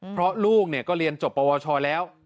เพราะลูกก็เรียนจบปวชแล้ว